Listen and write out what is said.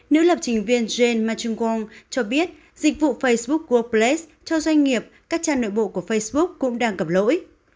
nữ lập trình viên jane matungong cho biết dịch vụ facebook workplace cho doanh nghiệp các trang nội bộ của facebook cũng đang cập lỗi